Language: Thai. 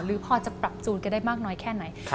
พอจะปรับจูนกันได้มากน้อยแค่ไหน